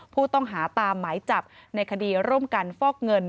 ผู้ต้องหาตามหมายจับในคดีร่วมกันฟอกเงิน